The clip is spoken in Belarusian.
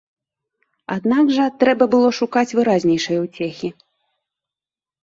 Аднак жа трэба было шукаць выразнейшай уцехі.